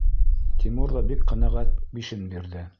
Тимур ҙа бик ҡәнәғәт бишен бирҙе.